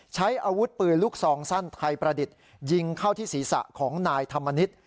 ใช้อาวุธปืนลูกซองสั้นไทยประดิษฐ์ยิงเข้าที่ศีรษะของนายธรรมนิษฐ์